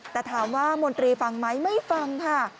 แต่ถามว่ามนตรีฟังไหมไม่ฟังค่ะ